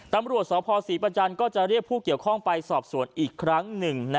ตำรวจสพศรีประจันทร์ก็จะเรียกผู้เกี่ยวข้องไปสอบสวนอีกครั้งหนึ่ง